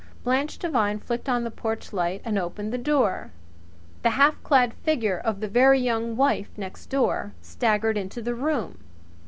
Blanche Devine flicked on the porch light and opened the door. The half clad figure of the Very Young Wife next door staggered into the room.